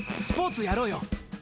スポーツやろうよ。